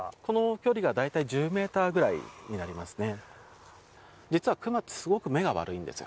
距離は大体１０ｍぐらいになりますね。